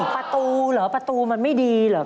ประตูเหรอประตูมันไม่ดีเหรอ